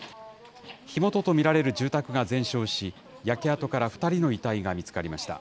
火元と見られる住宅が全焼し、焼け跡から２人の遺体が見つかりました。